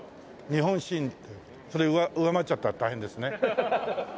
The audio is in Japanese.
それ上回っちゃったら大変ですね。